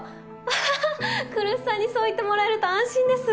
はははっ来栖さんにそう言ってもらえると安心です。